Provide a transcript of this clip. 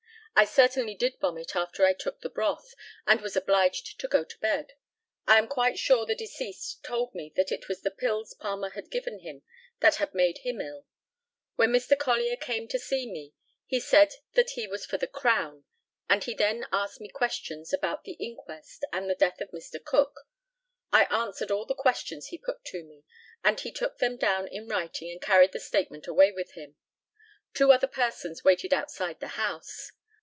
I certainly did vomit after I took the broth, and was obliged to go to bed. I am quite sure the deceased told me that it was the pills Palmer had given him that had made him ill. When Mr. Collier came to me he said that he was for the Crown, and he then asked me questions about the inquest and the death of Mr. Cook. I answered all the questions he put to me, and he took them down in writing and carried the statement away with him. Two other persons waited outside the house.